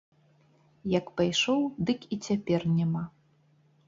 Як пайшоў, дык і цяпер няма.